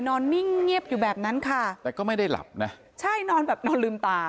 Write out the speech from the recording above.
นิ่งเงียบอยู่แบบนั้นค่ะแต่ก็ไม่ได้หลับนะใช่นอนแบบนอนลืมตา